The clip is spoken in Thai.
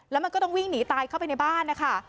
แล้วมันก็ต้องวิ่งหนีตายเข้าไปในบ้านนะคะ